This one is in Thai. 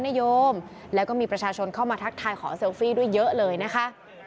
โยมแล้วก็มีประชาชนเข้ามาทักทายขอเซลฟี่ด้วยเยอะเลยนะคะ